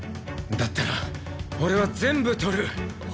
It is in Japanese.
だったら俺は全部取る。